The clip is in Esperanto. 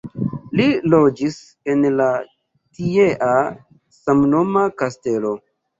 Li loĝis en la tiea samnoma kastelo.